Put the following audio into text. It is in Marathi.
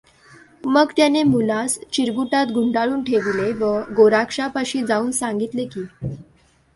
मग त्याने मुलास चिरगुटात गुंडाळून ठेविले व गोरक्षापाशी जाऊन सांगितले की.